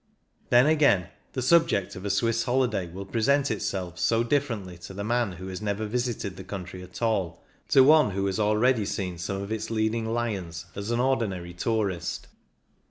Then, again, the subject of a Swiss holiday will present itself so differently to the man who has never visited the country at all from what it will to one who has already seen some of its leading lions as an ordinary tourist.